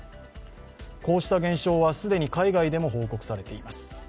こうした現象は、既に海外でも報告されています。